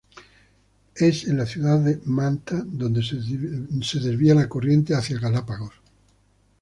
Es en la ciudad de Manta donde se desvía la corriente hacia Galápagos.